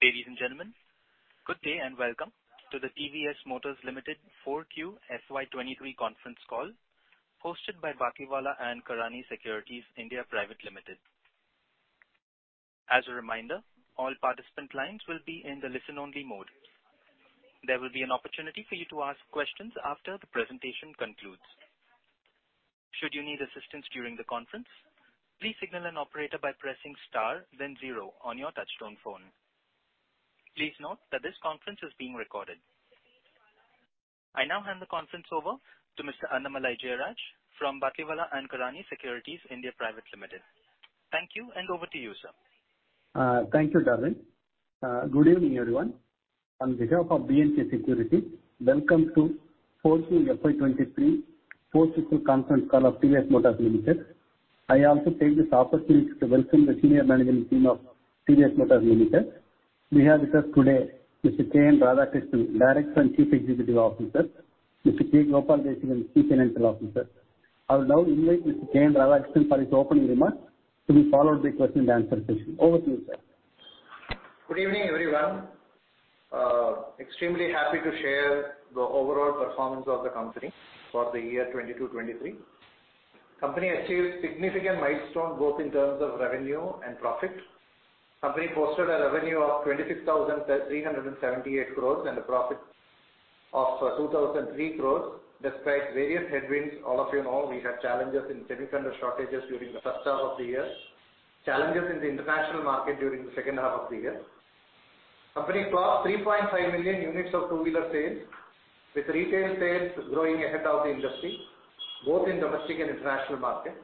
Ladies and gentlemen, good day and welcome to the TVS Motor Company Limited 4Q FY 2023 conference call hosted by Batlivala & Karani Securities India Pvt. Ltd. As a reminder, all participant lines will be in the listen-only mode. There will be an opportunity for you to ask questions after the presentation concludes. Should you need assistance during the conference, please signal an operator by pressing star then zero on your touchtone phone. Please note that this conference is being recorded. I now hand the conference over to Mr. Annamalai Jayaraj from Batlivala & Karani Securities India Pvt. Ltd. Thank you. Over to you, sir. Thank you, Darwin. Good evening, everyone. On behalf of B&K Securities, welcome to 4Q FY 2023 Q4 conference call of TVS Motor Limited. I also take this opportunity to welcome the senior management team of TVS Motor Limited. We have with us today Mr. K.N. Radhakrishnan, Director and Chief Executive Officer, Mr. K. Gopalakrishnan, Chief Financial Officer. I'll now invite Mr. K.N. Radhakrishnan for his opening remarks to be followed by question and answer session. Over to you, sir. Good evening, everyone. extremely happy to share the overall performance of the company for the year 2022-2023. Company achieved significant milestone both in terms of revenue and profit. Company posted a revenue of 26,378 crores and a profit of 2,003 crores despite various headwinds. All of you know we had challenges in semiconductor shortages during the H1 of the year, challenges in the international market during the H2 of the year. Company crossed 3.5 million units of two-wheeler sales, with retail sales growing ahead of the industry, both in domestic and international market.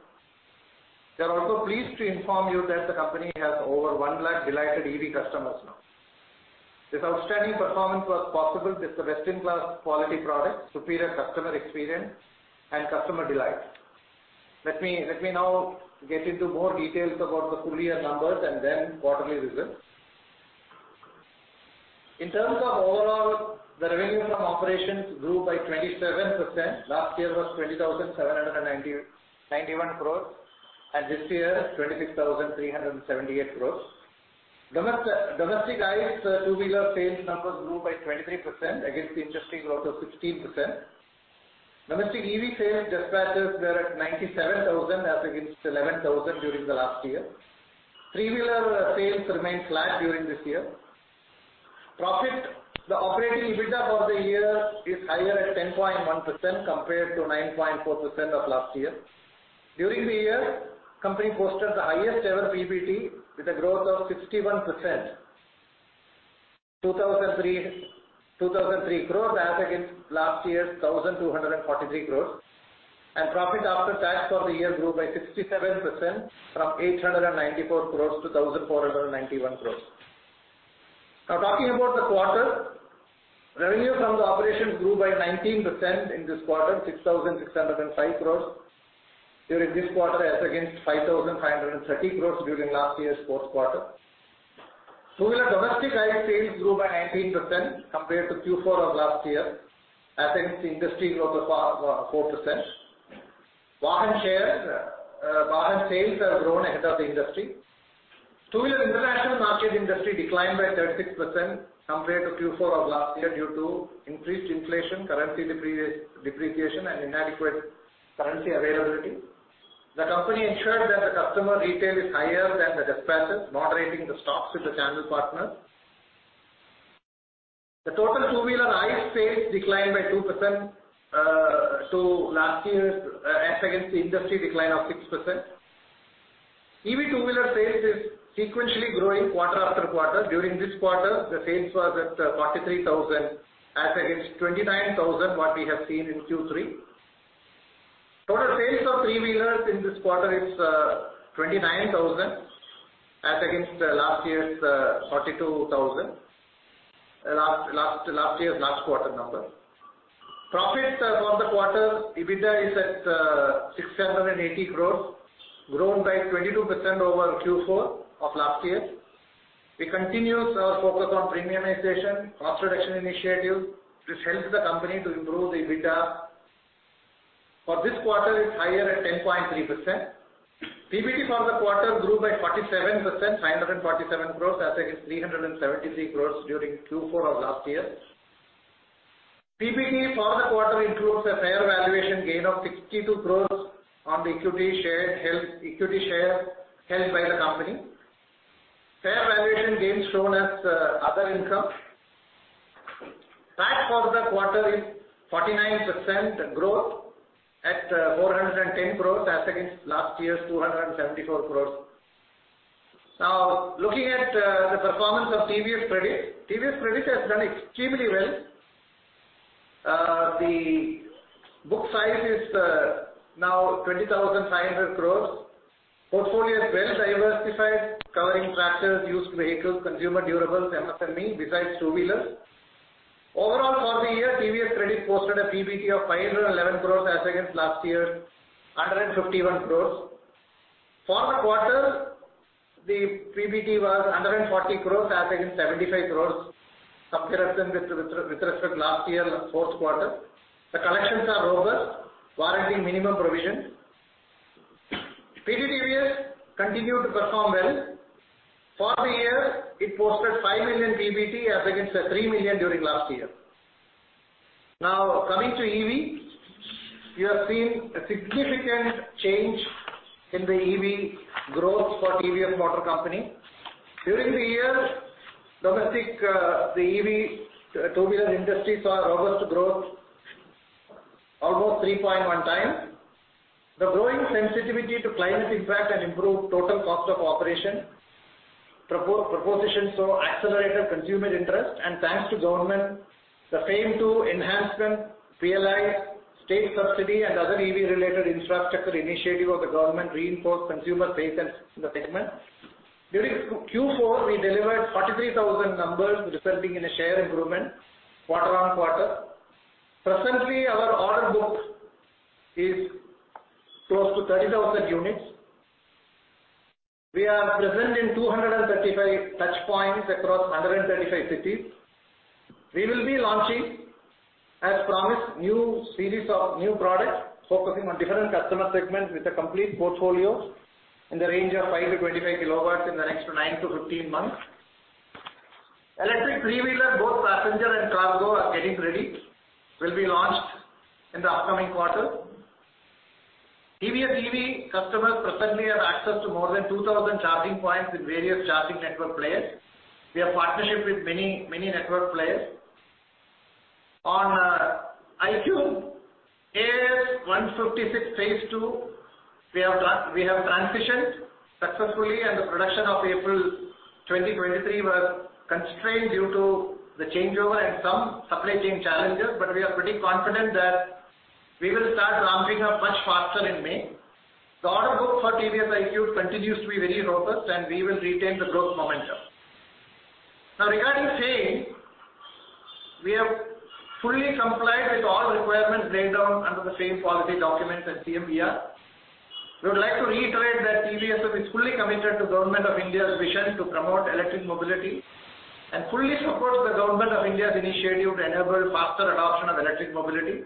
We are also pleased to inform you that the company has over one lakh delighted EV customers now. This outstanding performance was possible with the best-in-class quality product, superior customer experience and customer delight. Let me now get into more details about the full year numbers and then quarterly results. In terms of overall, the revenue from operations grew by 27%. Last year was 20,791 crores and this year, 26,378 crores. Domestic ICE two-wheeler sales numbers grew by 23% against the industry growth of 16%. Domestic EV sales dispatches were at 97,000 as against 11,000 during the last year. Three-wheeler sales remained flat during this year. Profit. The operating EBITDA for the year is higher at 10.1% compared to 9.4% of last year. During the year, company posted the highest ever PBT with a growth of 61%. 2,003 crores as against last year's 1,243 crores. Profit after tax for the year grew by 67% from 894 crores to 1,491 crores. Talking about the quarter, revenue from the operations grew by 19% in this quarter, 6,605 crores during this quarter as against 5,530 crores during last year's Q4. Two-wheeler domestic ICE sales grew by 19% compared to Q4 of last year as against the industry growth of 4%. Wagon shares, wagon sales have grown ahead of the industry. Two-wheeler international market industry declined by 36% compared to Q4 of last year due to increased inflation, currency depreciation and inadequate currency availability. The company ensured that the customer retail is higher than the dispatches, moderating the stocks with the channel partners. The total two-wheeler ICE sales declined by 2%, to last year's, as against the industry decline of 6%. EV two-wheeler sales is sequentially growing quarter after quarter. During this quarter, the sales was at 43,000 as against 29,000 what we have seen in Q3. Total sales of three-wheelers in this quarter is 29,000 as against last year's 42,000. last year's last quarter number. Profits for the quarter, EBITDA is at 680 crore, grown by 22% over Q4 of last year. We continues our focus on premiumization, cost reduction initiative. This helps the company to improve the EBITDA. For this quarter it's higher at 10.3%. PBT for the quarter grew by 47%, 547 crores as against 373 crores during Q4 of last year. PBT for the quarter includes a fair valuation gain of 62 crores on the equity share held by the company. Fair valuation gains shown as other income. Tax for the quarter is 49% growth at 410 crores as against last year's 274 crores. Now looking at the performance of TVS Credit. TVS Credit has done extremely well. The book size is now 20,500 crores. Portfolio is well diversified, covering tractors, used vehicles, consumer durables, MSME besides two-wheelers. Overall, for the year, TVS Credit posted a PBT of 511 crores as against last year, 151 crores. For the quarter, the PBT was 140 crores as against 75 crores, up with respect to last year, Q4. The collections are robust, warranting minimum provision. PTTVS continued to perform well. For the year, it posted 5 million PBT as against 3 million during last year. Coming to EV, you have seen a significant change in the EV growth for TVS Motor Company. During the year, domestic, the EV two-wheeler industry saw robust growth, almost 3.1x. The growing sensitivity to climate impact and improved total cost of operation proposition so accelerated consumer interest. Thanks to government, the FAME-II enhancement, PLI, state subsidy, and other EV related infrastructure initiative of the government reinforced consumer faith in the segment. During Q4, we delivered 43,000 numbers resulting in a share improvement quarter-on-quarter. Presently, our order book is close to 30,000 units. We are present in 235 touch points across 135 cities. We will be launching, as promised, new series of new products focusing on different customer segments with a complete portfolio in the range of 5-25 kilowatts in the next 9-15 months. Electric three-wheeler, both passenger and cargo, are getting ready, will be launched in the upcoming quarter. TVS EV customers presently have access to more than 2,000 charging points with various charging network players. We have partnership with many network players. On TVS iQube AIS-156 phase II, we have transitioned successfully and the production of April 2023 were constrained due to the changeover and some supply chain challenges. We are pretty confident that we will start ramping up much faster in May. The order book for TVS iQube continues to be very robust and we will retain the growth momentum. Regarding FAME, we have fully complied with all requirements laid down under the FAME policy documents and CMVR. We would like to reiterate that TVS is fully committed to Government of India's vision to promote electric mobility and fully supports the Government of India's initiative to enable faster adoption of electric mobility,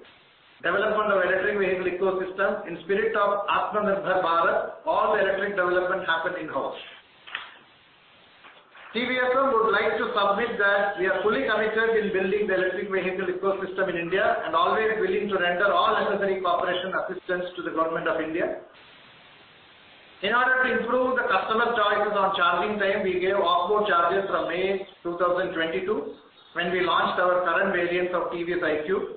development of electric vehicle ecosystem. In spirit of Atmanirbhar Bharat, all the electric development happened in-house. TVS would like to submit that we are fully committed in building the electric vehicle ecosystem in India and always willing to render all necessary cooperation assistance to the Government of India. In order to improve the customer charges on charging time, we gave off-board charges from May 2022 when we launched our current variants of TVS iQube.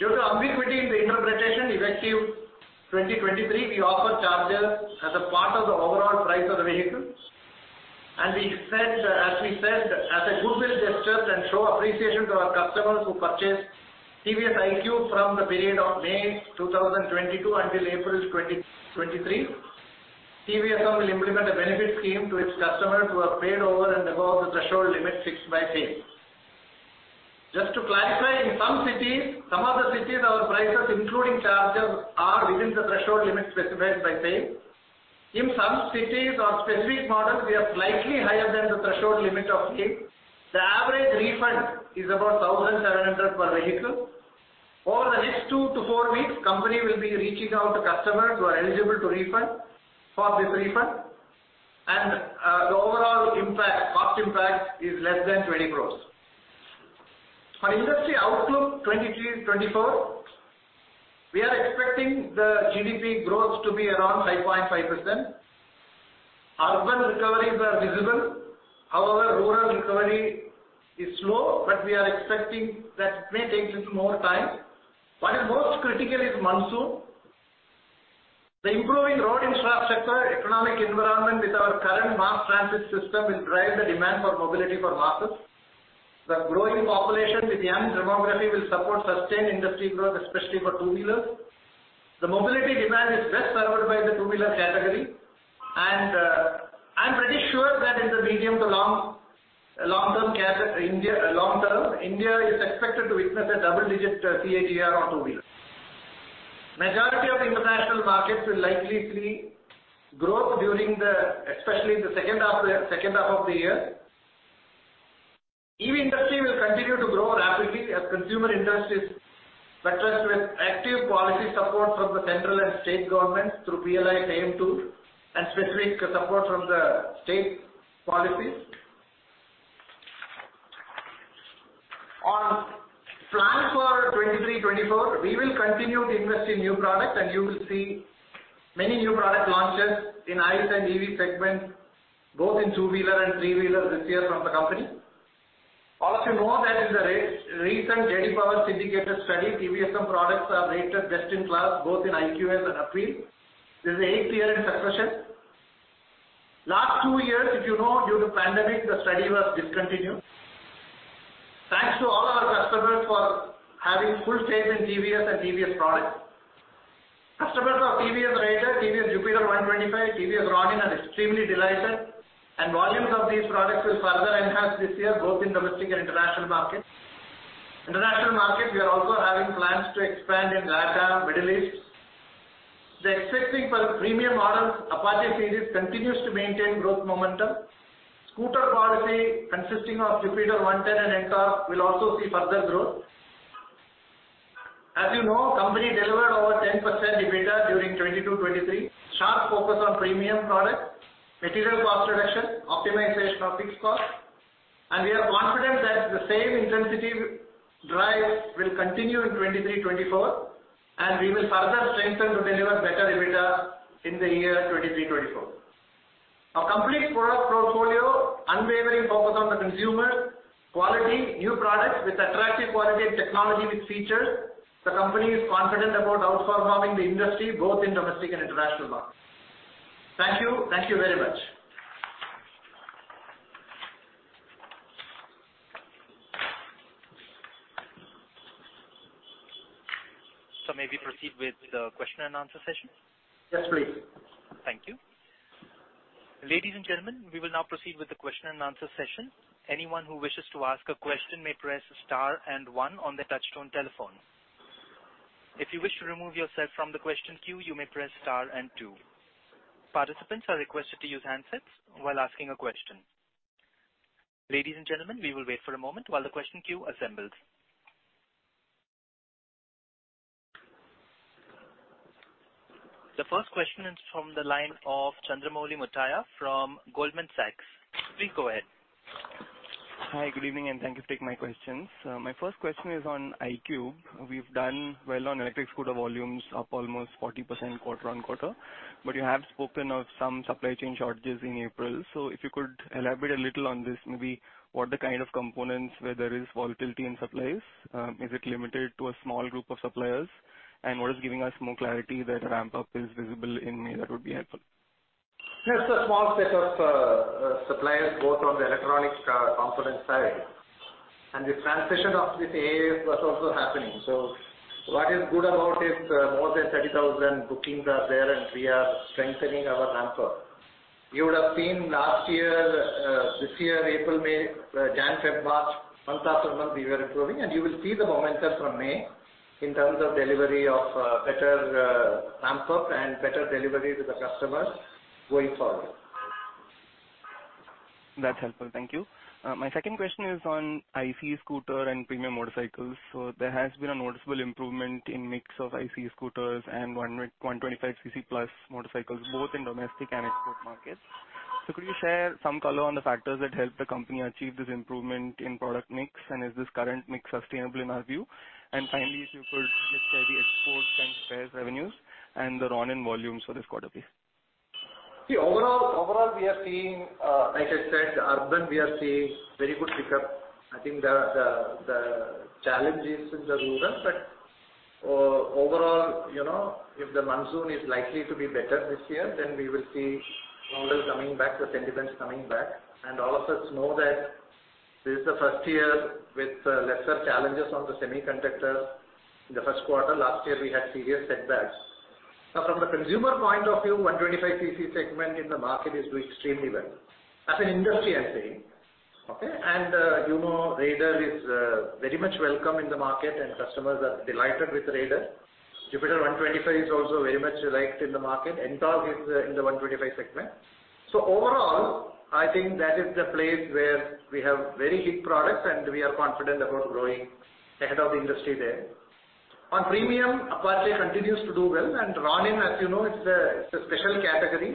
Due to ambiguity in the interpretation, effective 2023, we offer charger as a part of the overall price of the vehicle. We said, as we said, as a goodwill gesture and show appreciation to our customers who purchased TVS iQube from the period of May 2022 until April 2023, TVS will implement a benefit scheme to its customers who have paid over and above the threshold limit fixed by FAME. Just to clarify, in some of the cities our prices including chargers are within the threshold limit specified by FAME. In some cities or specific models, we are slightly higher than the threshold limit of FAME. The average refund is about 1,700 per vehicle. Over the next two to four weeks, company will be reaching out to customers who are eligible to refund, for this refund. The overall impact, cost impact is less than 20 crores. For industry outlook 2023-2024, we are expecting the GDP growth to be around 5.5%. Urban recoveries are visible. However, rural recovery is slow, but we are expecting that it may take little more time. What is most critical is monsoon. The improving road infrastructure, economic environment with our current mass transit system will drive the demand for mobility for masses. The growing population with young demography will support sustained industry growth, especially for two-wheelers. The mobility demand is best served by the two-wheeler category. I'm pretty sure that in the medium to long term, India is expected to witness a double-digit CAGR on two-wheeler. Majority of the international markets will likely see growth during especially the H2 of the year. EV industry will continue to grow rapidly as consumer interest is buttressed with active policy support from the central and state governments through PLI, FAME-II, and specific support from the state policies. On plans for 2023-2024, we will continue to invest in new products and you will see many new product launches in ICE and EV segment, both in two-wheeler and three-wheeler this year from the company. All of you know that in the recent J.D. Power syndicated study, TVS products are rated best in class both in iQube and appeal. This is the 8th year in succession. Last two years, if you know, due to pandemic, the study was discontinued. Thanks to all our customers for having full faith in TVS and TVS products. Customers of TVS Raider, TVS Jupiter 125, TVS Ronin are extremely delighted, and volumes of these products will further enhance this year, both in domestic and international markets. International markets, we are also having plans to expand in Latin, Middle East. The expecting for premium models, Apache series continues to maintain growth momentum. Scooter category consisting of Jupiter 110 and NTORQ will also see further growth. As you know, company delivered over 10% EBITDA during 2022-2023. Sharp focus on premium products, material cost reduction, optimization of fixed costs. We are confident that the same intensity drive will continue in 2023-2024, and we will further strengthen to deliver better EBITDA in the year 2023-2024. Our complete product portfolio, unwavering focus on the consumer, quality, new products with attractive quality and technology with features, the company is confident about outperforming the industry both in domestic and international markets. Thank you. Thank you very much. May we proceed with the question and answer session? Yes, please. Thank you. Ladies and gentlemen, we will now proceed with the question and answer session. Anyone who wishes to ask a question may press star and one on their touchtone telephone. If you wish to remove yourself from the question queue, you may press star and two. Participants are requested to use handsets while asking a question. Ladies and gentlemen, we will wait for a moment while the question queue assembles. The first question is from the line of Chandramouli Muthiah from Goldman Sachs. Please go ahead. Hi, good evening, and thank you for taking my questions. My first question is on iQube. We've done well on electric scooter volumes, up almost 40% quarter-on-quarter. You have spoken of some supply chain shortages in April. If you could elaborate a little on this, maybe what the kind of components where there is volatility in supplies, is it limited to a small group of suppliers? What is giving us more clarity that ramp-up is visible in May, that would be helpful? There's a small set of suppliers both on the electronic component side. The transition of this AEF was also happening. What is good about is more than 30,000 bookings are there, and we are strengthening our ramp-up. You would have seen last year, this year, April, May, Jan, February, month after month, we were improving, and you will see the momentum from May in terms of delivery of better ramp-up and better delivery to the customers going forward. That's helpful. Thank you. My second question is on IC scooter and premium motorcycles. There has been a noticeable improvement in mix of IC scooters and 125cc plus motorcycles, both in domestic and export markets. Could you share some color on the factors that helped the company achieve this improvement in product mix? Is this current mix sustainable in our view? Finally, if you could just share the exports and spares revenues and the Ronin volumes for this quarter, please. See, overall, we are seeing, like I said, urban, we are seeing very good pickup. I think the challenge is in the rural, but overall, you know, if the monsoon is likely to be better this year, then we will see orders coming back, the sentiments coming back. All of us know that this is the first year with lesser challenges on the semiconductor. In the Q1 last year, we had serious setbacks. From the consumer point of view, 125cc segment in the market is doing extremely well. As an industry, I'm saying. Okay? You know, Raider is very much welcome in the market and customers are delighted with Raider. Jupiter 125 is also very much liked in the market. NTORQ is in the 125 segment. Overall, I think that is the place where we have very hit products, and we are confident about growing ahead of the industry there. On premium, Apache continues to do well, and Ronin, as you know, it's a, it's a special category.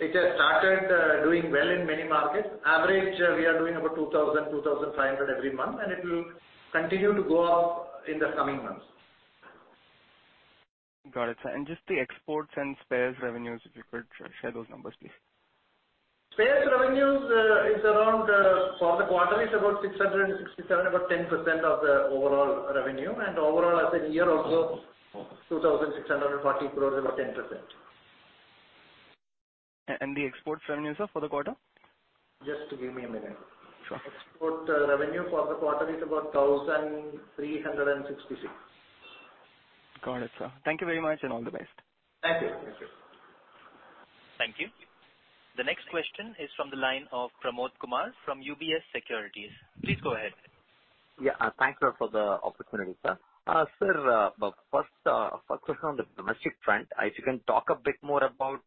It has started doing well in many markets. Average, we are doing about 2,000, 2,500 every month, and it will continue to go up in the coming months. Got it. Just the exports and spares revenues, if you could share those numbers, please? Spares revenues, is around for the quarter, it's about 667 crores, about 10% of the overall revenue. Overall, I said year also, 2,640 crores, about 10%. The export revenues are for the quarter? Just give me a minute. Sure. Export revenue for the quarter is about 1,366. Got it, sir. Thank you very much, and all the best. Thank you. Thank you. Thank you. The next question is from the line of Pramod Kumar from UBS Securities. Please go ahead. Thanks, sir, for the opportunity, sir. Sir, first question on the domestic front. If you can talk a bit more about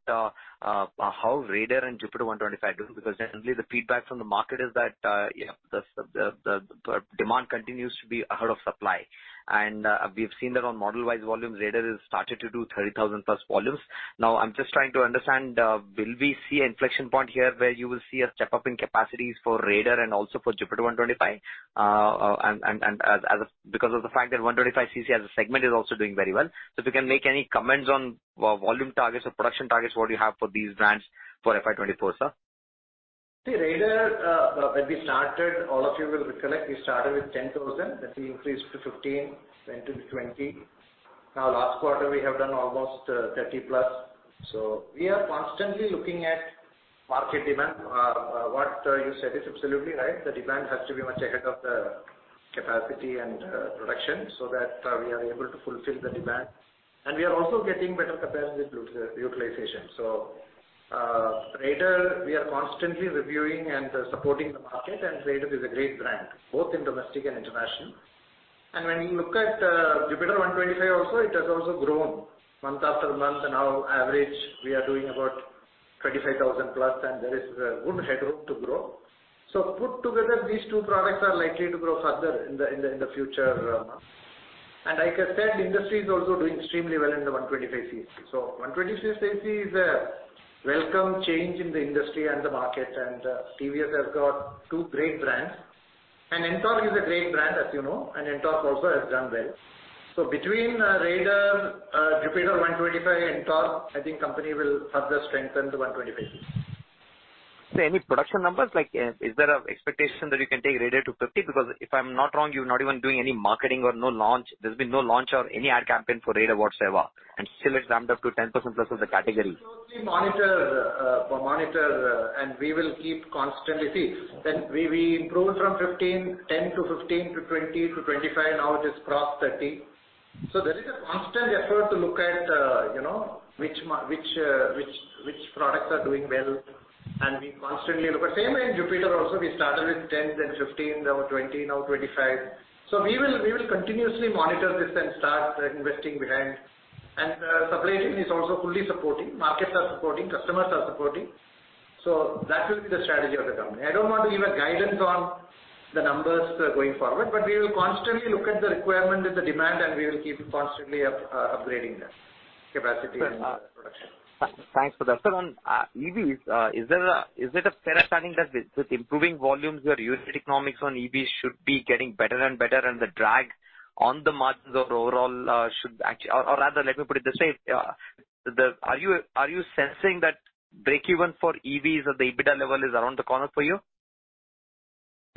how Raider and Jupiter 125 do, because generally the feedback from the market is that, you know, the demand continues to be ahead of supply. We've seen that on model-wise volumes, Raider has started to do 30,000+ volumes. I'm just trying to understand, will we see an inflection point here where you will see a step up in capacities for Raider and also for Jupiter 125? And because of the fact that 125cc as a segment is also doing very well. If you can make any comments on volume targets or production targets, what you have for these brands for FY 2024, sir? See, Raider, when we started, all of you will recollect, we started with 10,000, then we increased to 15, went to 20. Now, last quarter, we have done almost 30+. We are constantly looking at market demand. What you said is absolutely right. The demand has to be much ahead of the capacity and production so that we are able to fulfill the demand. We are also getting better capacity utilization. Raider, we are constantly reviewing and supporting the market, Raider is a great brand, both in domestic and international. When you look at Jupiter 125 also, it has also grown month after month. Now average, we are doing about 25,000+, and there is good headroom to grow. Put together, these two products are likely to grow further in the, in the, in the future. Like I said, industry is also doing extremely well in the 125cc. One 125cc is a welcome change in the industry and the market, and TVS has got two great brands. NTORQ is a great brand, as you know, and NTORQ also has done well. Between Raider, Jupiter 125, NTORQ, I think company will further strengthen the 125cc. Sir, any production numbers? Like, is there an expectation that you can take Raider to 50? If I'm not wrong, you're not even doing any marketing or no launch. Still it's ramped up to 10% plus of the category. We closely monitor, and we will keep constantly. We improved from 15%, 10% to 15% to 20% to 25%, now it is cross 30%. There is a constant effort to look at, you know, which products are doing well, and we constantly look. Same in Jupiter also, we started with 10%, then 15%, now 20%, now 25%. We will continuously monitor this and start investing behind. The supply chain is also fully supporting. Markets are supporting. Customers are supporting. That will be the strategy of the company. I don't want to give a guidance on the numbers going forward. We will constantly look at the requirement with the demand, and we will keep constantly upgrading the capacity and production. Thanks for that. Sir, on EVs, is it a fair understanding that with improving volumes, your unit economics on EVs should be getting better and better, and the drag on the margins or overall, should actually... Or rather, let me put it this way. Are you sensing that breakeven for EVs at the EBITDA level is around the corner for you?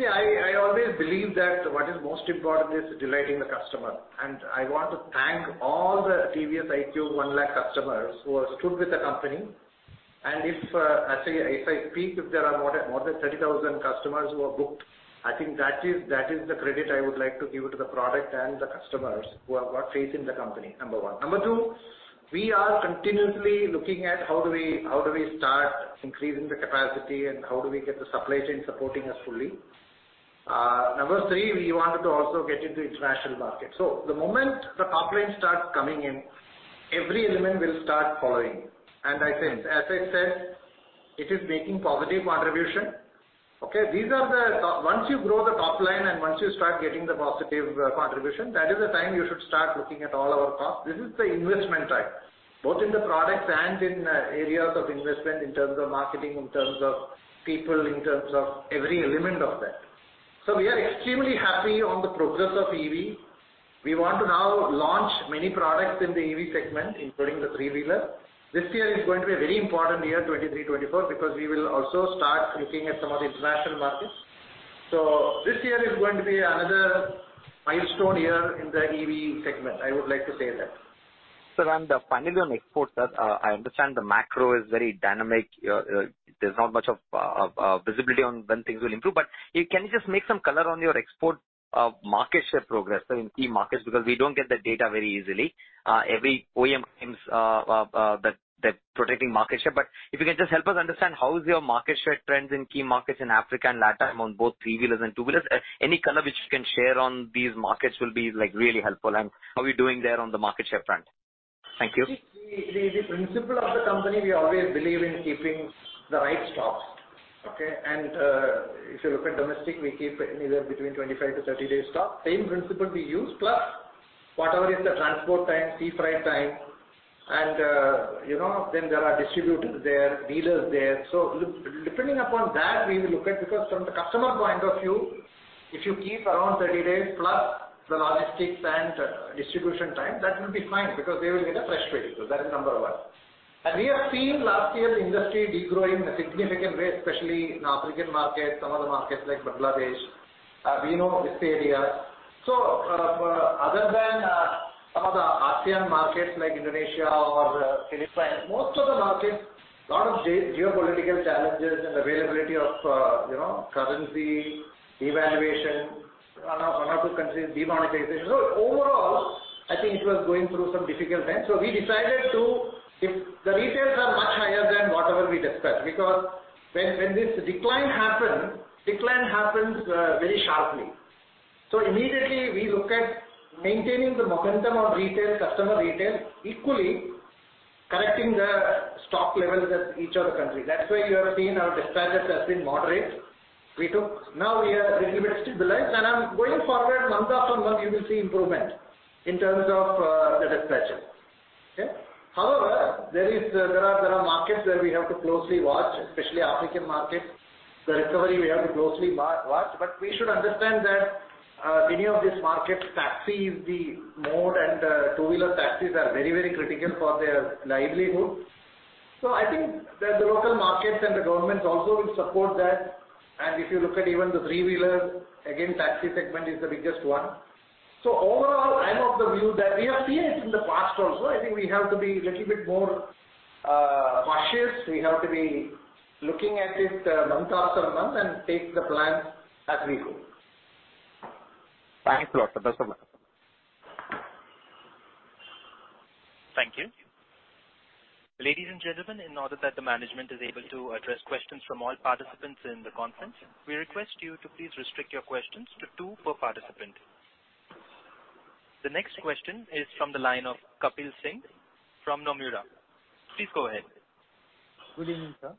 See, I always believe that what is most important is delighting the customer. I want to thank all the TVS iQube 1 lakh customers who have stood with the company. If I say, if I speak, if there are more than 30,000 customers who have booked, I think that is the credit I would like to give to the product and the customers who have got faith in the company, number one. Number two, we are continuously looking at how do we start increasing the capacity and how do we get the supply chain supporting us fully. Number three, we wanted to also get into international markets. The moment the top line starts coming in, every element will start following. I said, as I said, it is making positive contribution. Okay, these are the. Once you grow the top line and once you start getting the positive contribution, that is the time you should start looking at all our costs. This is the investment time, both in the products and in areas of investment in terms of marketing, in terms of people, in terms of every element of that. We are extremely happy on the progress of EV. We want to now launch many products in the EV segment, including the three-wheeler. This year is going to be a very important year, 2023-2024, because we will also start looking at some of the international markets. This year is going to be another milestone year in the EV segment. I would like to say that. Sir, finally on export, sir. I understand the macro is very dynamic. There's not much of visibility on when things will improve. Can you just make some color on your export market share progress in key markets? Because we don't get the data very easily. Every OEM claims that they're protecting market share. If you can just help us understand how is your market share trends in key markets in Africa and LATAM on both three-wheelers and two-wheelers. Any color which you can share on these markets will be, like, really helpful. How are you doing there on the market share front? Thank you. See, the principle of the company, we always believe in keeping the right stocks. Okay. If you look at domestic, we keep neither between 25-30 days stock. Same principle we use, plus whatever is the transport time, sea freight time. You know, then there are distributors there, dealers there. Depending upon that, we will look at. Because from the customer point of view, if you keep around 30 days plus the logistics and distribution time, that will be fine because they will get a fresh vehicle. That is number one. We have seen last year the industry degrowing in a significant way, especially in African market, some other markets like Bangladesh. We know this area. Other than some of the ASEAN markets like Indonesia or Philippines, most of the markets, lot of geopolitical challenges and availability of, you know, currency devaluation. One of the countries, demonetization. Overall, I think it was going through some difficult times. If the retails are much higher than whatever we dispatched. When this decline happened, decline happens very sharply. Immediately we look at maintaining the momentum of retail, customer retail, equally correcting the stock levels at each of the country. That's why you have seen our dispatches has been moderate. Now we are little bit stabilized. Going forward, month after month, you will see improvement in terms of the dispatch. Okay. However, there are markets where we have to closely watch, especially African markets. The recovery we have to closely watch. But we should understand that any of these markets, taxi is the mode and two-wheeler taxis are very, very critical for their livelihood. So I think that the local markets and the governments also will support that. And if you look at even the three-wheeler, again, taxi segment is the biggest one. So overall, I'm of the view that we have seen it in the past also. I think we have to be little bit more cautious. We have to be looking at it month after month and take the plans as we go. Thanks a lot, sir. That's all. Thank you. Ladies and gentlemen, in order that the management is able to address questions from all participants in the conference, we request you to please restrict your questions to two per participant. The next question is from the line of Kapil Singh from Nomura. Please go ahead. Good evening, sir.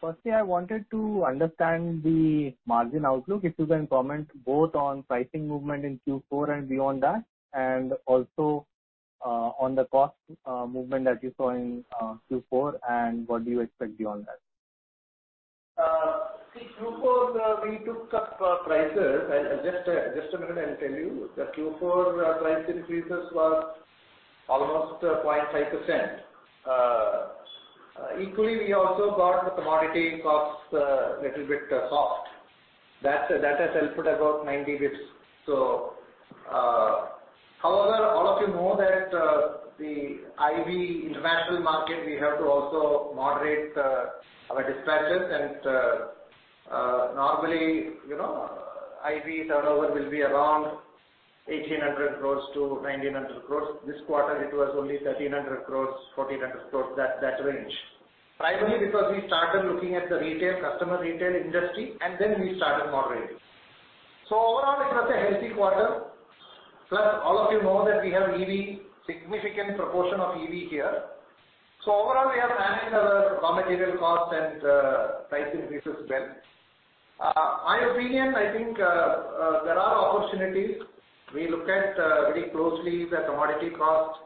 Firstly, I wanted to understand the margin outlook. If you can comment both on pricing movement in Q4 and beyond that, and also, on the cost movement that you saw in Q4, and what do you expect beyond that? See Q4, we took up prices. Just a minute, I'll tell you. The Q4 price increases was almost 0.5%. Equally, we also got the commodity costs little bit soft. That has helped with about 90 basis points. However, all of you know that the EV international market, we have to also moderate our dispatches. Normally, you know, EV turnover will be around 1,800 crores-1,900 crores. This quarter it was only 1,300 crores, 1,400 crores, that range. Primarily because we started looking at the retail, customer retail industry and then we started moderating. Overall it was a healthy quarter, plus all of you know that we have EV, significant proportion of EV here. Overall we have managed our raw material costs and price increases well. My opinion, I think, there are opportunities. We look at very closely the commodity cost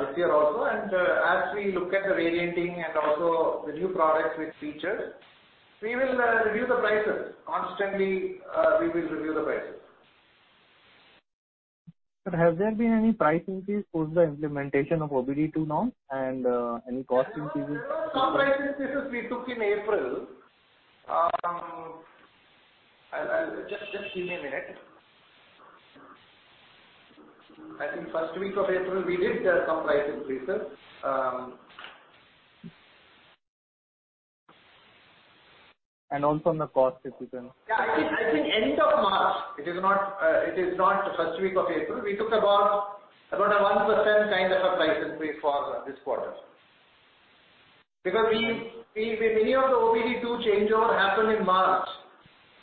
this year also. As we look at the rating and also the new products with features, we will review the prices. Constantly, we will review the prices. Has there been any price increase post the implementation of OBD2 now and any cost increases? There were some price increases we took in April. Just give me a minute. I think first week of April we did some price increases. Also on the cost, if you can. Yeah. I think end of March. It is not first week of April. We took about a 1% kind of a price increase for this quarter. Because many of the OBD2 changeover happened in March.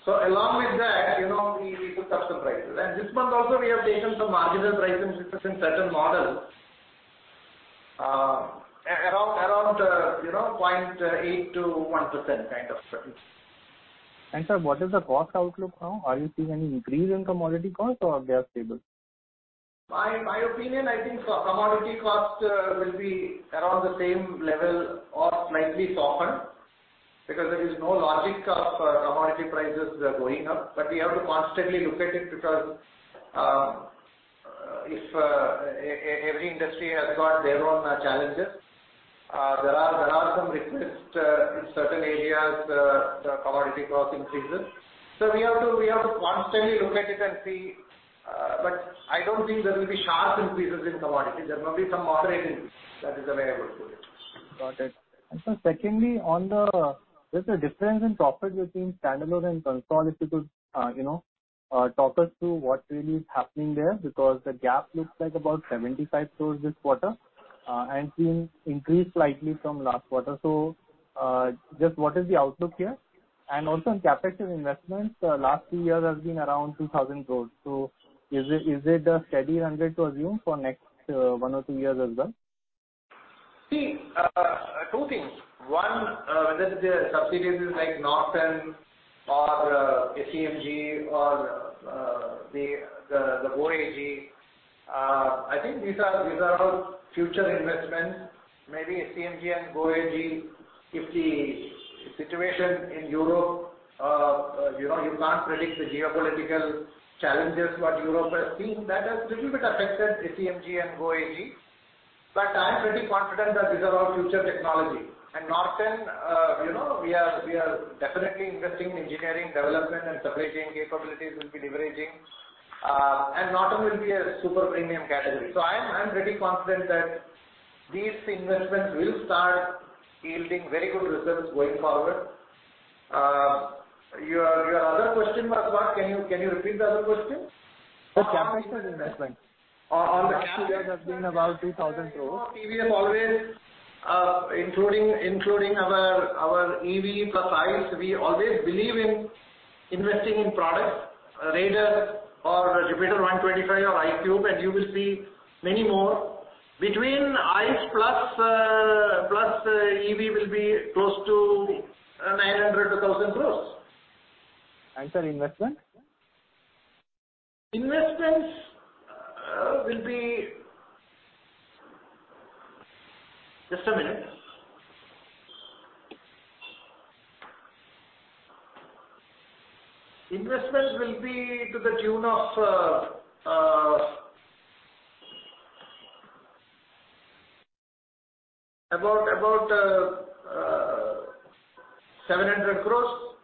Along with that, you know, we took up some prices. This month also we have taken some marginal price increases in certain models, around, you know, 0.8% to 1% kind of price. Sir, what is the cost outlook now? Are you seeing any increase in commodity costs or they are stable? My opinion, I think co-commodity costs will be around the same level or slightly softened because there is no logic of commodity prices going up. But we have to constantly look at it because if every industry has got their own challenges. There are some requests in certain areas, the commodity cost increases. We have to constantly look at it and see, but I don't think there will be sharp increases in commodity. There may be some moderate increase that is available to it. Got it. Sir, secondly, on the, just the difference in profit between standalone and consolidated, you know, talk us through what really is happening there because the gap looks like about 75 crores this quarter, and it's been increased slightly from last quarter. Just what is the outlook here? Also on CapEx investments, last few years has been around 2,000 crores. Is it, is it a steady run rate to assume for next, one or two years as well? See, two things. One, whether it is the subsidies like Norton or ACMG or the BOAG, I think these are all future investments. Maybe ACMG and BOAG, if the situation in Europe, you know, you can't predict the geopolitical challenges what Europe has seen. That has little bit affected ACMG and BOAG. I am pretty confident that these are all future technology. Norton, you know, we are definitely investing in engineering development and supply chain capabilities we'll be leveraging. And Norton will be a super premium category. I am pretty confident that these investments will start yielding very good results going forward. Your other question was what? Can you repeat the other question? The CapEx investment. On the CapEx investment. Last few years has been about INR 2,000 crores. TVS always, including our EV plus ICE, we always believe in investing in products, Raider or Jupiter 125 or iQube, and you will see many more. Between ICE plus EV will be close to 900 crore-1,000 crore. Sir, investment? Investments, uh, will be... Just a minute. Investments will be to the tune of, uh, uh, about, about, uh, uh, seven hundred crores.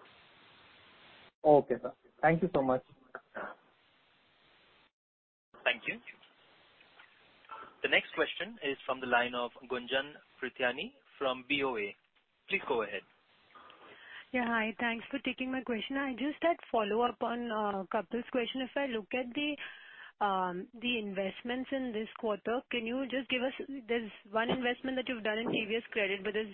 Okay, sir. Thank you so much. Thank you. The next question is from the line of Gunjan Prithyani from BofA Securities. Please go ahead. Yeah, hi. Thanks for taking my question. I just had follow-up on Kapil's question. If I look at the investments in this quarter, can you just give us, there's one investment that you've done in TVS Credit, but there's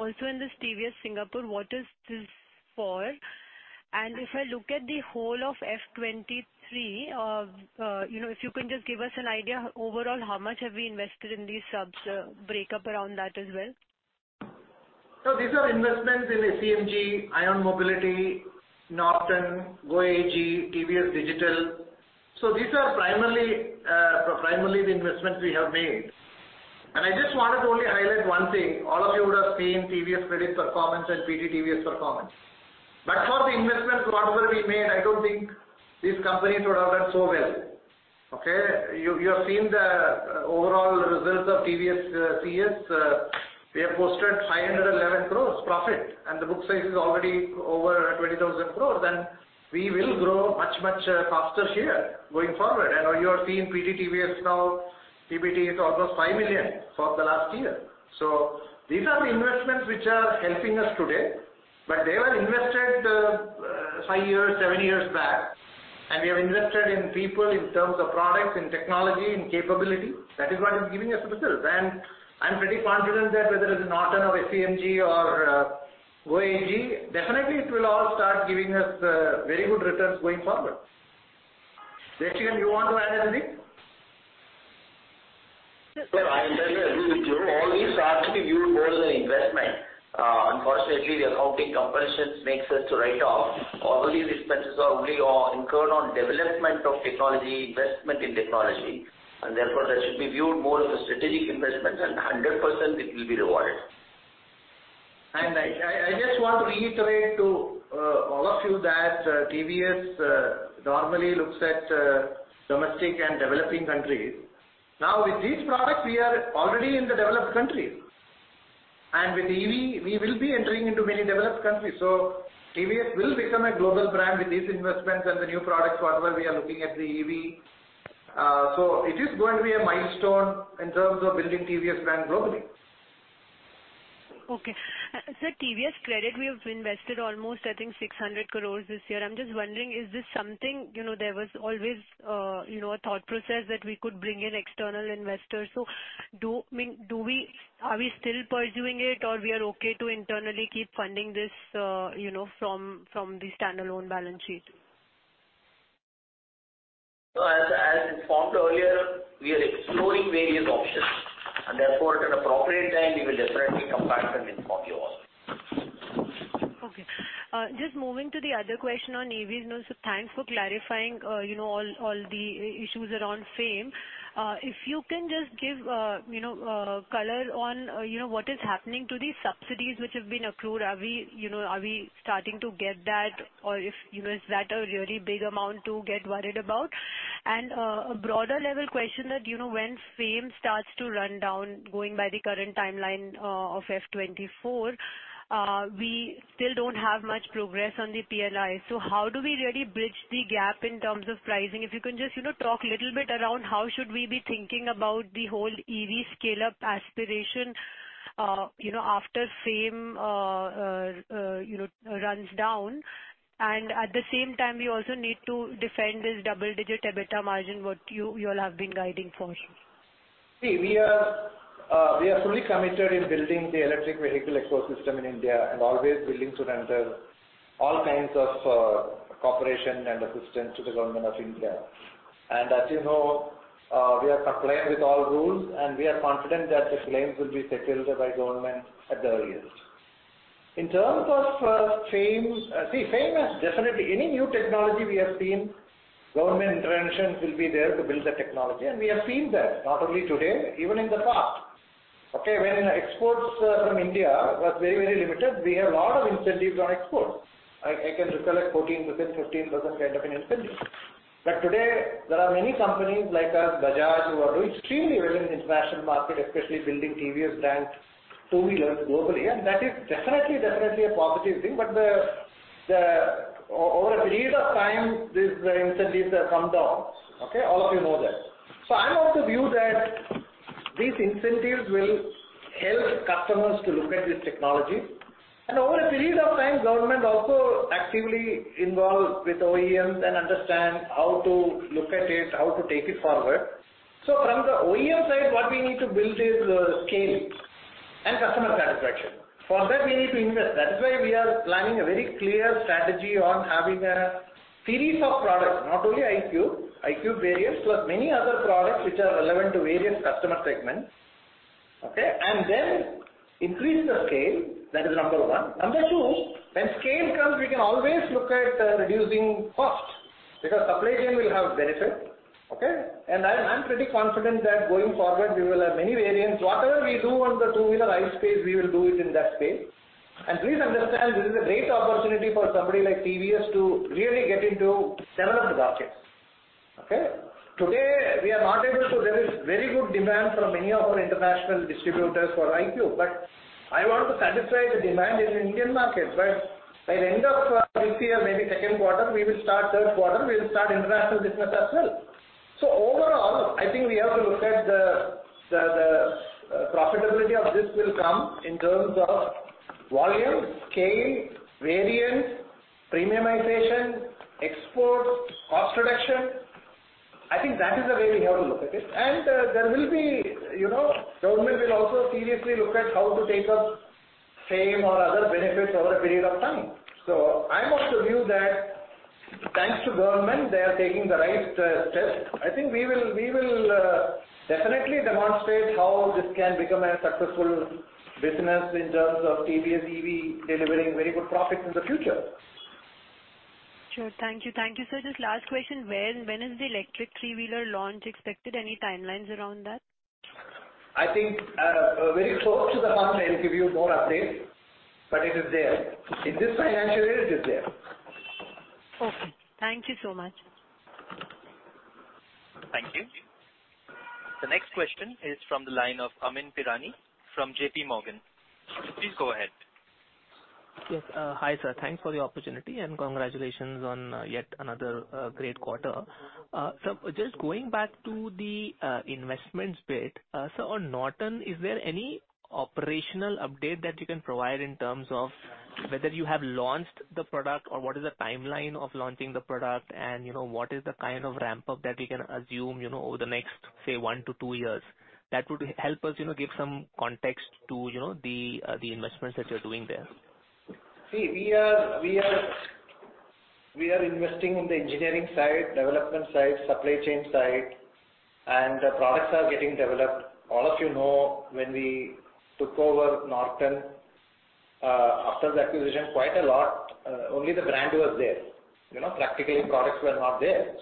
also in this TVS Singapore, what is this for? If I look at the whole of F23, you know, if you can just give us an idea overall, how much have we invested in these subs, break up around that as well. These are investments in ACMG, ION Mobility, Norton, GoAG, TVS Digital. These are primarily the investments we have made. I just wanted to only highlight one thing. All of you would have seen TVS Credit performance and PTTVS performance. For the investments whatever we made, I don't think these companies would have done so well. Okay? You have seen the overall results of TVS CS. We have posted 511 crores profit, and the book size is already over 20,000 crores. We will grow much faster here going forward. I know you have seen PTTVS now, PBT is almost $5 million for the last year. These are the investments which are helping us today, but they were invested five years, seven years back. We have invested in people in terms of products, in technology, in capability. That is what is giving us the results. I'm pretty confident that whether it is Norton or ACMG or GoAG, definitely it will all start giving us very good returns going forward. Jesian, you want to add anything? Sir, I'll just add. All these have to be viewed more as an investment. Unfortunately, the accounting compulsions makes us to write off. All these expenses are only, incurred on development of technology, investment in technology, and therefore, that should be viewed more as a strategic investment, and 100% it will be rewarded. I just want to reiterate to all of you that TVS normally looks at domestic and developing countries. Now, with these products, we are already in the developed countries. With EV, we will be entering into many developed countries. TVS will become a global brand with these investments and the new products, whatever we are looking at the EV. It is going to be a milestone in terms of building TVS brand globally. Okay. Sir, TVS Credit, we have invested almost, I think, 600 crores this year. I'm just wondering, is this something, you know, there was always, you know, a thought process that we could bring in external investors. I mean, are we still pursuing it or we are okay to internally keep funding this, you know, from the stand-alone balance sheet? As informed earlier, we are exploring various options. Therefore, at an appropriate time, we will definitely come back and inform you also. Okay. Just moving to the other question on EVs. You know, thanks for clarifying, you know, all the issues around FAME. If you can just give, you know, color on, you know, what is happening to these subsidies which have been accrued. Are we, you know, are we starting to get that? If, you know, is that a really big amount to get worried about? A broader level question that, you know, when FAME starts to run down, going by the current timeline, of FY24, we still don't have much progress on the PLI. How do we really bridge the gap in terms of pricing? If you can just, you know, talk a little bit around how should we be thinking about the whole EV scale-up aspiration, you know, after FAME, you know, runs down. At the same time, we also need to defend this double-digit EBITDA margin, what you all have been guiding for. See, we are fully committed in building the electric vehicle ecosystem in India and always willing to render all kinds of cooperation and assistance to the Government of India. As you know, we are complying with all rules, and we are confident that the claims will be settled by government at the earliest. In terms of FAME. FAME has definitely any new technology we have seen, government interventions will be there to build the technology. We have seen that not only today, even in the past. When exports from India was very, very limited, we have a lot of incentives on export. I can recollect 14%, 15% kind of an incentive. Today, there are many companies like us, Bajaj, who are doing extremely well in international market, especially building TVS brand two-wheelers globally. That is definitely a positive thing. Over a period of time, these incentives have come down. Okay, all of you know that. I'm of the view that these incentives will help customers to look at this technology. Over a period of time, government also actively involved with OEMs and understand how to look at it, how to take it forward. From the OEM side, what we need to build is scale and customer satisfaction. For that, we need to invest. That is why we are planning a very clear strategy on having a series of products, not only iQube variants, plus many other products which are relevant to various customer segments. Okay? Increase the scale. That is number one. Number two, when scale comes, we can always look at reducing cost because supply chain will have benefit. Okay? I'm pretty confident that going forward, we will have many variants. Whatever we do on the two-wheeler i-Space, we will do it in that space. Please understand, this is a great opportunity for somebody like TVS to really get into developed markets. Okay? Today, we are not able to. There is very good demand from many of our international distributors for iQube, but I want to satisfy the demand in Indian market. By end of this year, maybe Q2, we will start Q3, we'll start international business as well. Overall, I think we have to look at the profitability of this will come in terms of volume, scale, variants, premiumization, exports, cost reduction. I think that is the way we have to look at it. There will be... You know, government will also seriously look at how to take up FAME or other benefits over a period of time. I am of the view that thanks to government, they are taking the right steps. I think we will definitely demonstrate how this can become a successful business in terms of TVS EV delivering very good profits in the future. Sure. Thank you. Thank you, sir. Just last question, where and when is the electric three-wheeler launch expected? Any timelines around that? I think, very close to the half, I will give you more update, but it is there. In this financial year, it is there. Okay. Thank you so much. Thank you. The next question is from the line of Amyn Pirani from JP Morgan. Please go ahead. Yes. Hi, sir. Thanks for the opportunity, and congratulations on yet another great quarter. Just going back to the investments bit. Sir, on Norton, is there any operational update that you can provide in terms of whether you have launched the product or what is the timeline of launching the product and, you know, what is the kind of ramp-up that we can assume, you know, over the next, say, one to two years? That would help us, you know, give some context to, you know, the investments that you're doing there. We are investing in the engineering side, development side, supply chain side, and the products are getting developed. All of you know, when we took over Norton, after the acquisition, quite a lot, only the brand was there. You know, practically products were not there.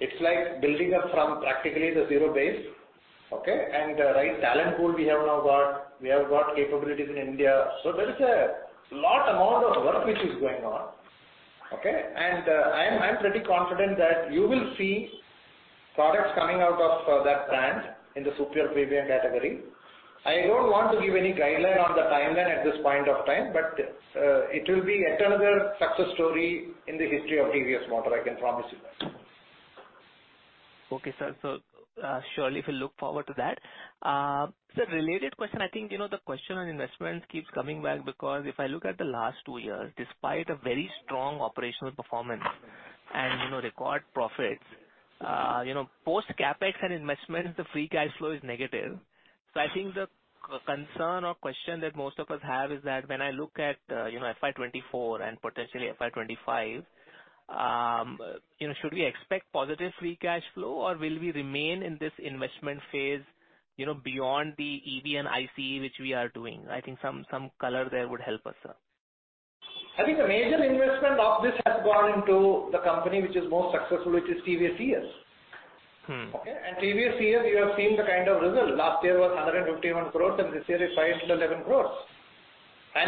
It's like building up from practically the zero base. Okay. The right talent pool we have now got. We have got capabilities in India. There is a lot amount of work which is going on. Okay. I am pretty confident that you will see products coming out of that brand in the superior premium category. I don't want to give any guideline on the timeline at this point of time, but it will be yet another success story in the history of TVS Motor, I can promise you that. Okay, sir. Surely we look forward to that. Sir, related question, I think, you know, the question on investments keeps coming back because if I look at the last two years, despite a very strong operational performance and, you know, record profits, you know, post CapEx and investments, the free cash flow is negative. I think the concern or question that most of us have is that when I look at, you know, FY 2024 and potentially FY 2025, you know, should we expect positive free cash flow, or will we remain in this investment phase, you know, beyond the EV and ICE which we are doing? I think some color there would help us, sir. I think the major investment of this has gone into the company which is most successful, which is TVS ESG. Mm-hmm. Okay? TVS ES, you have seen the kind of results. Last year was 151 crores, this year is 511 crores.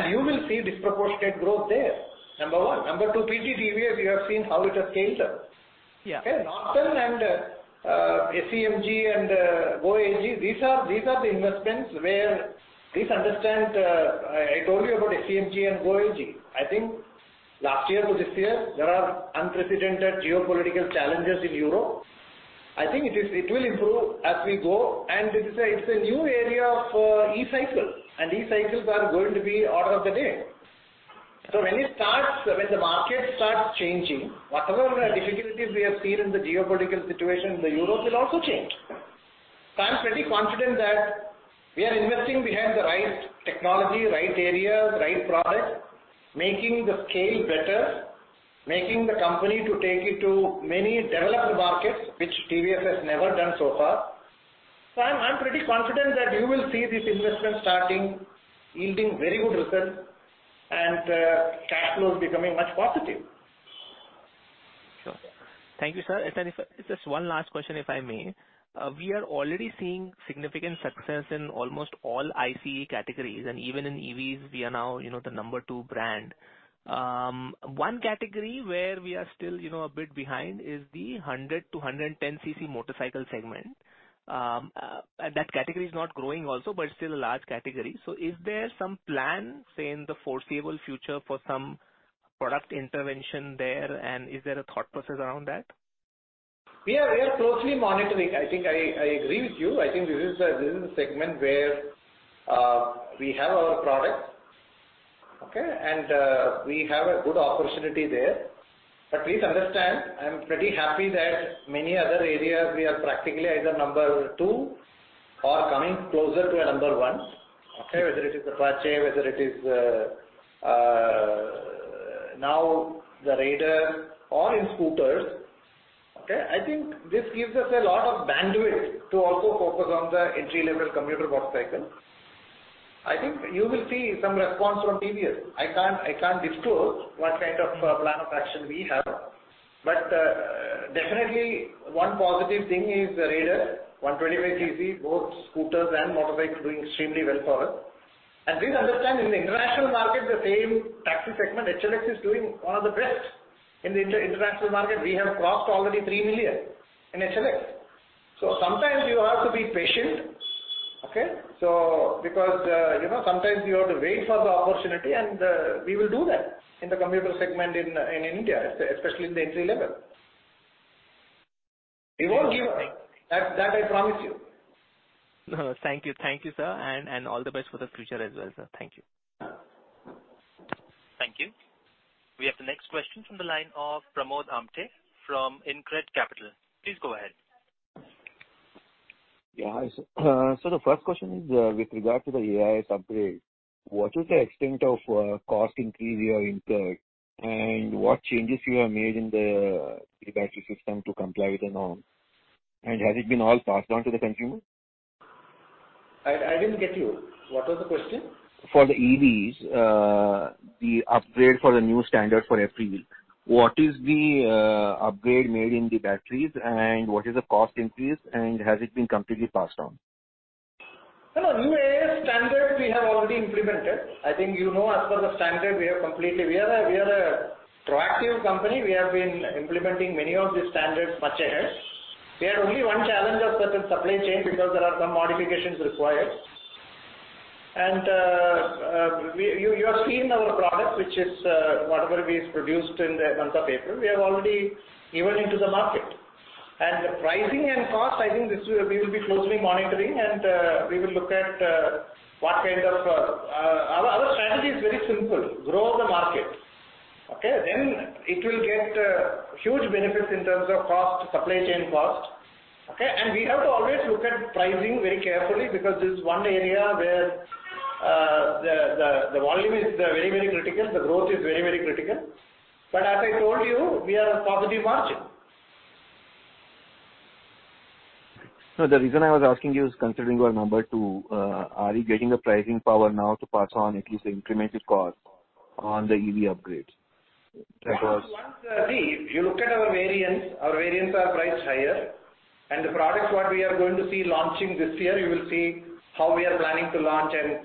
You will see disproportionate growth there, number one. Number two, PT TVS, we have seen how it has scaled up. Yeah. Okay. Norton and SCMG and OAG, these are the investments where. Please understand, I told you about SCMG and OAG. I think last year to this year, there are unprecedented geopolitical challenges in Europe. I think it will improve as we go, and it is a, it's a new area of e-cycle, and e-cycles are going to be order of the day. When it starts, when the market starts changing, whatever the difficulties we have seen in the geopolitical situation in Europe will also change. I'm pretty confident that we are investing. We have the right technology, right areas, right products, making the scale better, making the company to take it to many developed markets, which TVS has never done so far. I'm pretty confident that you will see these investments starting yielding very good results and cash flows becoming much positive. Sure. Thank you, sir. Just one last question, if I may. We are already seeing significant success in almost all ICE categories, and even in EVs, we are now, you know, the number 2 brand. One category where we are still, you know, a bit behind is the 100-110 cc motorcycle segment. That category is not growing also, but it's still a large category. Is there some plan, say, in the foreseeable future for some product intervention there? Is there a thought process around that? We are closely monitoring. I think I agree with you. I think this is a segment where we have our products, okay, and we have a good opportunity there. Please understand, I'm pretty happy that many other areas we are practically either number two or coming closer to a number one, okay, whether it is the Apache, whether it is now the Raider or in scooters. Okay? I think this gives us a lot of bandwidth to also focus on the entry-level commuter motorcycle. I think you will see some response from TVS. I can't, I can't disclose what kind of plan of action we have. Definitely one positive thing is the Raider 125 cc, both scooters and motorbikes doing extremely well for us. Please understand, in the international market, the same taxi segment, HLX is doing the best in the international market. We have crossed already three million in HLX. Sometimes you have to be patient, okay? Because, you know, sometimes you have to wait for the opportunity, and we will do that in the commuter segment in India, especially in the entry level. We won't give up. That I promise you. No, thank you. Thank you, sir, and all the best for the future as well, sir. Thank you. We have the next question from the line of Pramod Amthe from InCred Capital. Please go ahead. Yeah. So the first question is with regard to the AIS upgrade. What is the extent of cost increase you have incurred, and what changes you have made in the battery system to comply with the norm? Has it been all passed on to the consumer? I didn't get you. What was the question? For the EVs, the upgrade for the new standard for EV, what is the upgrade made in the batteries, and what is the cost increase, and has it been completely passed on? No, no. New AIS standard we have already implemented. I think you know as per the standard, we are completely. We are a proactive company. We have been implementing many of these standards much ahead. We had only one challenge of certain supply chain because there are some modifications required. You have seen our product, which is whatever we produced in the month of April, we have already given into the market. Pricing and cost, I think this we will be closely monitoring and we will look at what kind of. Our strategy is very simple: grow the market. Okay? It will get huge benefits in terms of cost, supply chain cost. Okay? We have to always look at pricing very carefully because this is one area where the volume is very, very critical. The growth is very, very critical. As I told you, we are a positive margin. No, the reason I was asking you is considering your number two, are you getting the pricing power now to pass on at least the incremental cost on the EV upgrades? See, if you look at our variants, our variants are priced higher. The products what we are going to see launching this year, you will see how we are planning to launch and,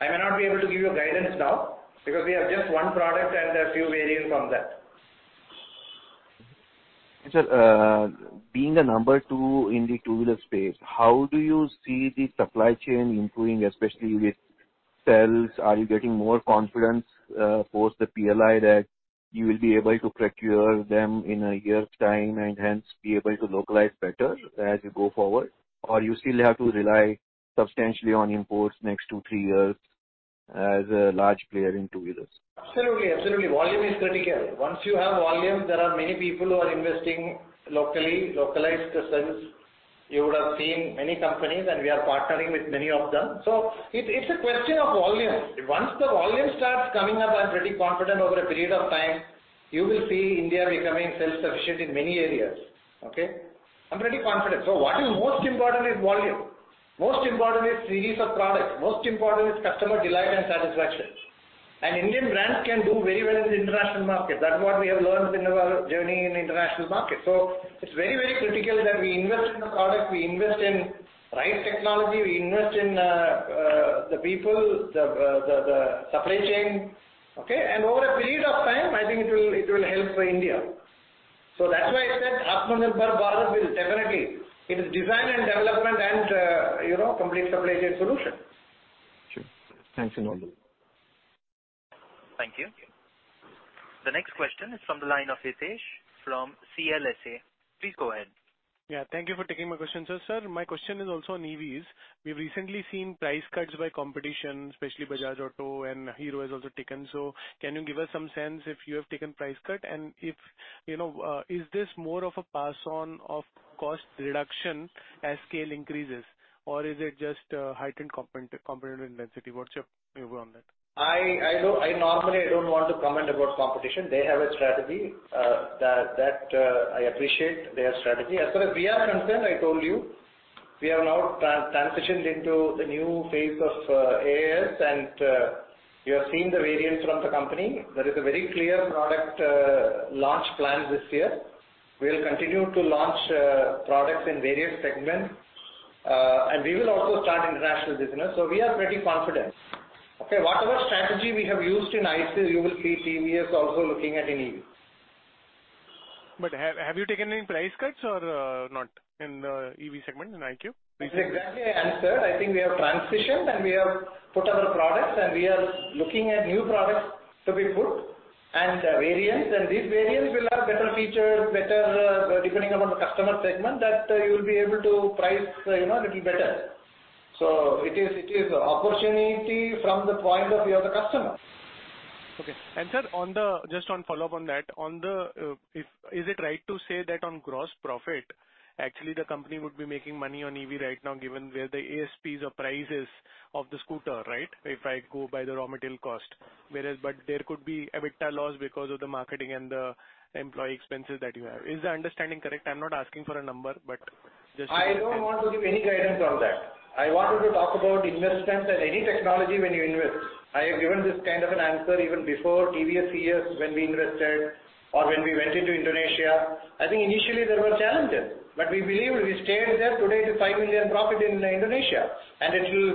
I may not be able to give you a guidance now because we have just one product and a few variants on that. Sir, being a number two in the two-wheeler space, how do you see the supply chain improving, especially with sales? Are you getting more confidence, post the PLI that you will be able to procure them in a year's time and hence be able to localize better as you go forward? Or you still have to rely substantially on imports next two, three years as a large player in two-wheelers? Absolutely. Absolutely. Volume is critical. Once you have volume, there are many people who are investing locally, localized cells. We are partnering with many of them. It's, it's a question of volume. Once the volume starts coming up, I'm pretty confident over a period of time you will see India becoming self-sufficient in many areas. Okay? I'm pretty confident. What is most important is volume. Most important is release of product. Most important is customer delight and satisfaction. Indian brands can do very well in the international market. That's what we have learned in our journey in international market. It's very, very critical that we invest in the product, we invest in right technology, we invest in the people, the supply chain. Okay? Over a period of time, I think it will, it will help India. That's why I said Atmanirbhar Bharat will definitely... It is design and development and, you know, complete supply chain solution. Sure. Thanks a lot. Thank you. The next question is from the line of Hitesh from CLSA. Please go ahead. Yeah. Thank you for taking my question, sir. Sir, my question is also on EVs. We've recently seen price cuts by competition, especially Bajaj Auto and Hero has also taken. Can you give us some sense if you have taken price cut? If, you know, is this more of a pass on of cost reduction as scale increases or is it just a heightened component intensity? What's your view on that? I normally don't want to comment about competition. They have a strategy that I appreciate their strategy. As far as we are concerned, I told you, we have now transitioned into the new phase of AIS and you have seen the variants from the company. There is a very clear product launch plan this year. We'll continue to launch products in various segments. And we will also start international business. We are pretty confident. Okay, whatever strategy we have used in ICE, you will see TVS also looking at in EV. Have you taken any price cuts or not in the EV segment, in iQ? I think I've already answered. I think we have transitioned, we have put our products and we are looking at new products to be put and variants. These variants will have better features, better, depending upon the customer segment that you will be able to price, you know, little better. It is opportunity from the point of view of the customer. Okay. Sir, on the Just on follow-up on that. On the Is it right to say that on gross profit, actually the company would be making money on EV right now, given where the ASPs or prices of the scooter, right? If I go by the raw material cost. There could be EBITDA loss because of the marketing and the employee expenses that you have. Is the understanding correct? I'm not asking for a number, but just. I don't want to give any guidance on that. I wanted to talk about investments and any technology when you invest. I have given this kind of an answer even before TVS, years when we invested or when we went into Indonesia. I think initially there were challenges, but we believed, we stayed there. Today it's a $5 million profit in Indonesia, and it will,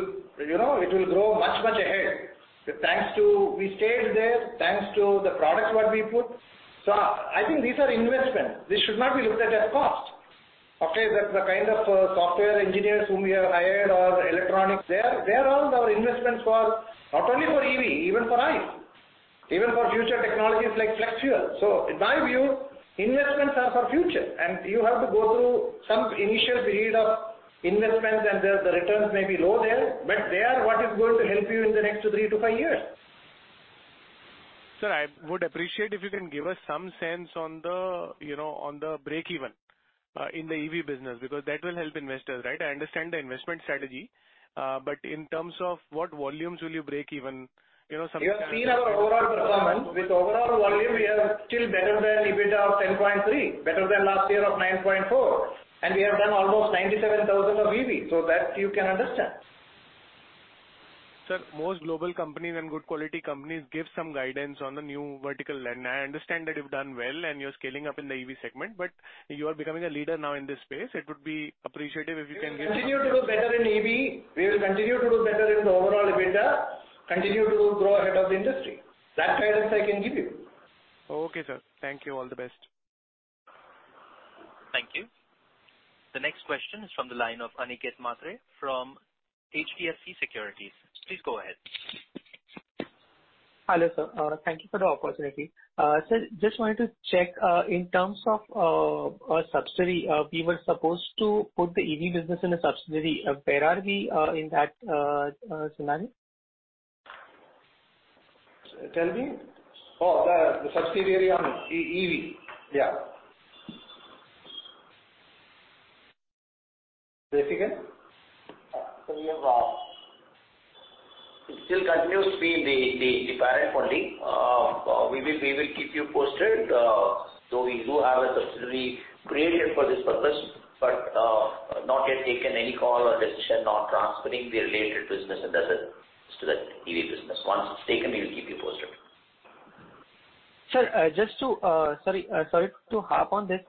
you know, it will grow much, much ahead. Thanks to we stayed there, thanks to the products what we put. I think these are investments. This should not be looked at as cost. Okay. The kind of software engineers whom we have hired or electronics, they are all our investments for not only for EV, even for ICE, even for future technologies like flex fuel. In my view, investments are for future, and you have to go through some initial period of investments and the returns may be low there, but they are what is going to help you in the next three to five years. Sir, I would appreciate if you can give us some sense on the, you know, break even in the EV business, because that will help investors, right? I understand the investment strategy, but in terms of what volumes will you break even? You know, some sense. You have seen our overall performance. With overall volume, we are still better than EBIT of 10.3%, better than last year of 9.4%. We have done almost 97,000 EV, so that you can understand. Sir, most global companies and good quality companies give some guidance on the new vertical. I understand that you've done well and you're scaling up in the EV segment, but you are becoming a leader now in this space. It would be appreciative if you can give. We will continue to do better in EV. We will continue to do better in the overall EBITDA, continue to grow ahead of the industry. That guidance I can give you. Okay, sir. Thank you. All the best. Thank you. The next question is from the line of Aniket Mhatre from HDFC Securities. Please go ahead. Hello, sir. Thank you for the opportunity. Sir, just wanted to check, in terms of a subsidy, we were supposed to put the EV business in a subsidiary. Where are we in that scenario? Tell me. Oh, the subsidiary on EV. Yeah. Preetika? We have it still continues to be in the parent only. We will keep you posted. We do have a subsidiary created for this purpose, but not yet taken any call or decision on transferring the related business and asset to that EV business. Once it's taken, we will keep you posted. Sir, just to, sorry to harp on this.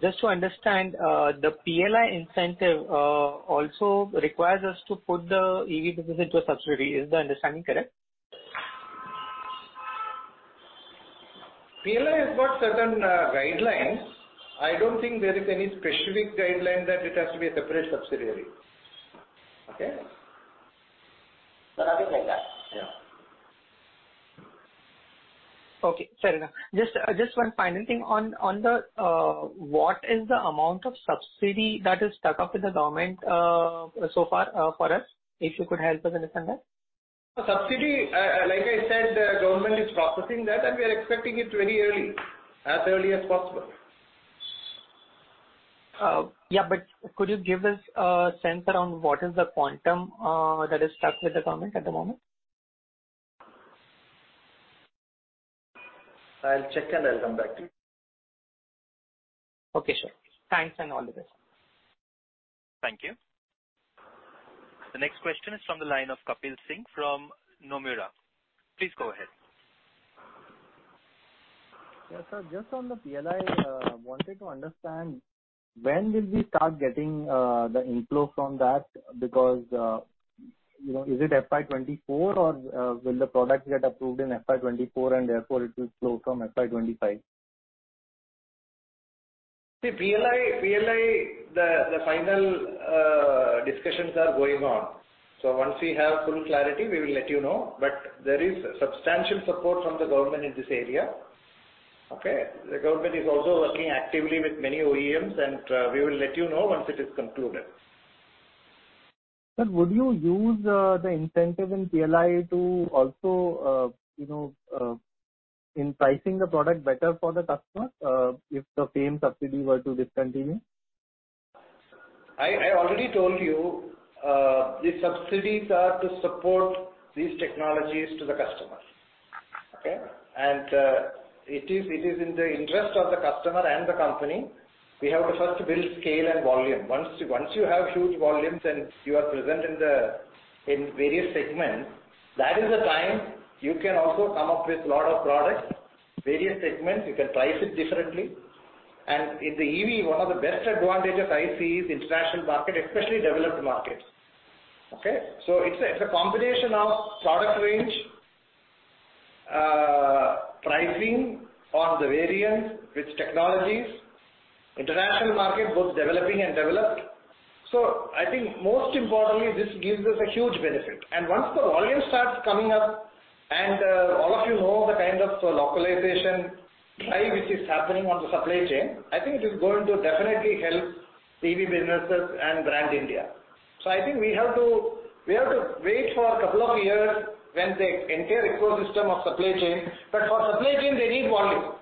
Just to understand, the PLI incentive, also requires us to put the EV business into a subsidiary. Is the understanding correct? PLI has got certain guidelines. I don't think there is any specific guideline that it has to be a separate subsidiary. Okay? I think like that. Yeah. Okay, fair enough. Just one final thing. On the what is the amount of subsidy that is stuck up with the government so far for us? If you could help us understand that. Subsidy, like I said, government is processing that, and we are expecting it very early, as early as possible. Could you give us a sense around what is the quantum that is stuck with the government at the moment? I'll check, and I'll come back to you. Okay, sure. Thanks, and all the best. Thank you. The next question is from the line of Kapil Singh from Nomura. Please go ahead. Yeah, sir. Just on the PLI, wanted to understand when will we start getting the inflow from that? You know, is it FY 2024, or will the product get approved in FY 2024 and therefore it will flow from FY 2025? See, PLI, the final discussions are going on. Once we have full clarity, we will let you know. There is substantial support from the government in this area. Okay? The government is also working actively with many OEMs, and we will let you know once it is concluded. Sir, would you use, the incentive in PLI to also, you know, in pricing the product better for the customer, if the same subsidy were to discontinue? I already told you, the subsidies are to support these technologies to the customers. Okay? It is in the interest of the customer and the company. We have to first build scale and volume. Once you have huge volumes and you are present in various segments, that is the time you can also come up with lot of products, various segments, you can price it differently. In the EV, one of the best advantages I see is international market, especially developed markets. Okay? It's a combination of product range, pricing on the variants with technologies, international market, both developing and developed. I think most importantly, this gives us a huge benefit. Once the volume starts coming up, and all of you know the kind of localization drive which is happening on the supply chain, I think it is going to definitely help EV businesses and brand India. I think we have to, we have to wait for a couple of years when the entire ecosystem of supply chain. But for supply chain, they need volume.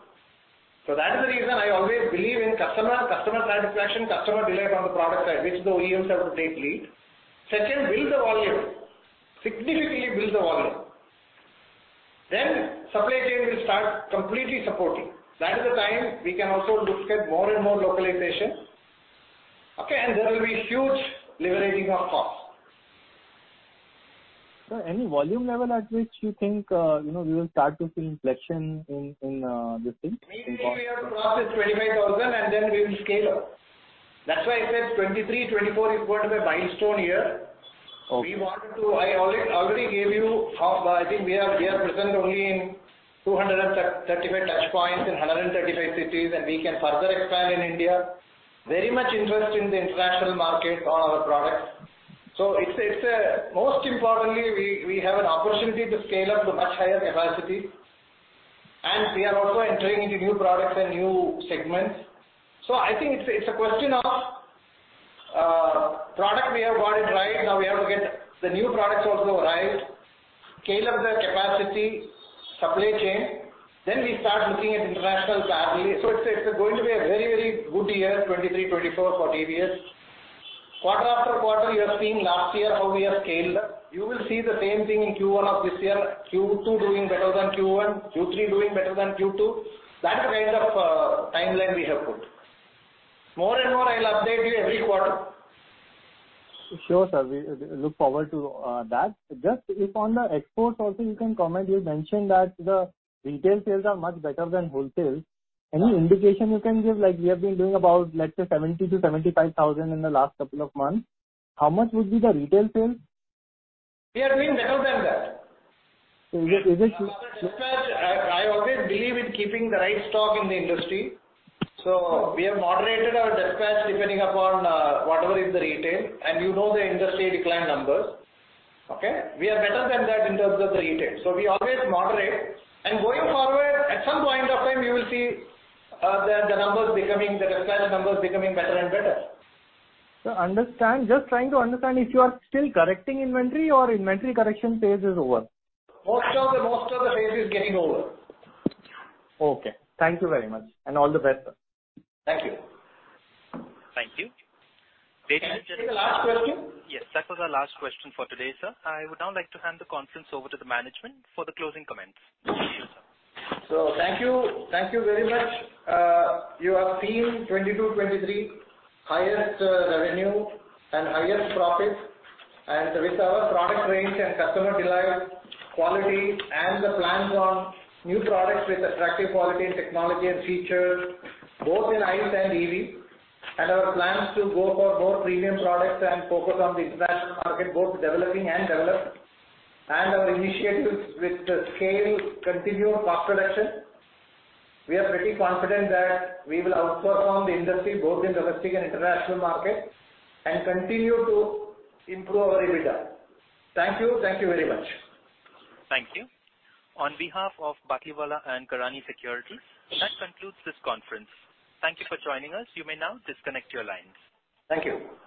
That is the reason I always believe in customer satisfaction, customer delight on the product side, which the OEMs have to take lead. Second, build the volume. Significantly build the volume. Supply chain will start completely supporting. That is the time we can also look at more and more localization. Okay, there will be huge liberating of cost. Sir, any volume level at which you think, you know, we will start to see inflection in this thing? EV we have crossed is 25,000. We will scale up. That's why I said 2023, 2024 is going to be a milestone year. Okay. We want I already gave you how I think we are, we are present only in 235 touchpoints in 135 cities. We can further expand in India. Very much interest in the international market on our products. It's a. Most importantly, we have an opportunity to scale up to much higher capacity. We are also entering into new products and new segments. I think it's a question of product we have got it right. Now we have to get the new products also right, scale up the capacity, supply chain. We start looking at international badly. It's, it's going to be a very, very good year, 2023, 2024 for TVS. Quarter after quarter, you have seen last year how we have scaled up. You will see the same thing in Q1 of this year, Q2 doing better than Q1, Q3 doing better than Q2. That kind of timeline we have put. More and more, I'll update you every quarter. Sure, sir. We look forward to that. If on the exports also you can comment, you've mentioned that the retail sales are much better than wholesale. Yeah. Any indication you can give? Like, we have been doing about, let's say 70,000-75,000 in the last couple of months. How much would be the retail sales? We are doing better than that. Is it- After dispatch, I always believe in keeping the right stock in the industry. We have moderated our dispatch depending upon whatever is the retail, and you know the industry decline numbers. Okay? We are better than that in terms of the retail. We always moderate. Going forward, at some point of time you will see the numbers becoming, the dispatch numbers becoming better and better. Sir, understand. Just trying to understand if you are still correcting inventory or inventory correction phase is over? Most of the phase is getting over. Okay. Thank you very much and all the best, sir. Thank you. Thank you. Can I take the last question? Yes, that was our last question for today, sir. I would now like to hand the conference over to the management for the closing comments. Thank you. Thank you very much. You have seen 2022, 2023 highest revenue and highest profits. With our product range and customer delight, quality and the plans on new products with attractive quality and technology and features, both in ICE and EV, our plans to go for more premium products and focus on the international market, both developing and developed, our initiatives with scale, continued cost reduction, we are pretty confident that we will outperform the industry both in domestic and international market, continue to improve our EBITDA. Thank you. Thank you very much. Thank you. On behalf of Batlivala & Karani Securities, that concludes this conference. Thank you for joining us. You may now disconnect your lines. Thank you.